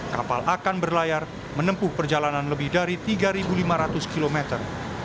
kapal akan berlayar menempuh perjalanan lebih dari tiga lima ratus kilometer